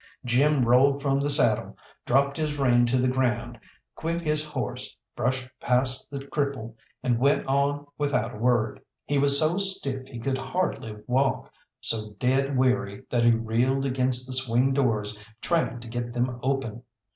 Jim rolled from the saddle, dropped his rein to the ground, quit his horse, brushed past the cripple, and went on without a word. He was so stiff he could hardly walk, so dead weary that he reeled against the swing doors trying to get them open.